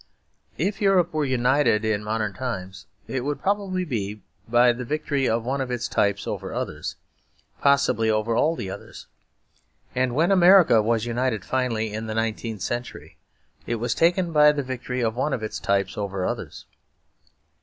If Europe were united in modern times, it would probably be by the victory of one of its types over others, possibly over all the others. And when America was united finally in the nineteenth century, it was by the victory of one of its types over others.